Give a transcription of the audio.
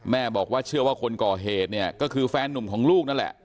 บอกว่าเชื่อว่าคนก่อเหตุเนี่ยก็คือแฟนนุ่มของลูกนั่นแหละ